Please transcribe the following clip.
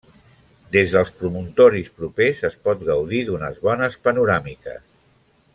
Des dels promontoris propers es pot gaudir d'unes bones panoràmiques.